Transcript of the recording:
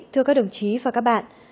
thưa các đồng chí và các bạn